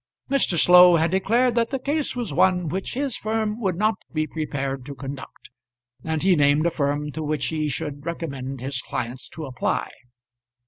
Mr. Slow had declared that the case was one which his firm would not be prepared to conduct, and he named a firm to which he should recommend his client to apply.